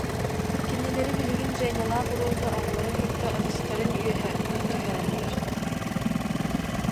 Кинилэри билигин Женялаах Роза оҕолорун кытта ытыстарын үөһэ түһэрэллэр